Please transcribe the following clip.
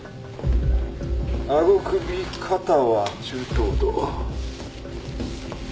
顎首肩は中等度。